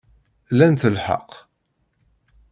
Lant lḥeqq.